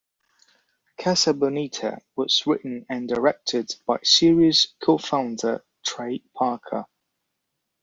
"Casa Bonita" was written and directed by series co-founder Trey Parker.